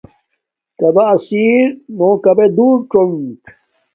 کبݺ اسِیر نݸ کبݺ دݸر څݸنڅ.